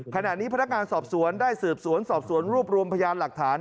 ขณะนี้พนักงานสอบสวนได้สืบสวนสอบสวนรวบรวมพยานหลักฐาน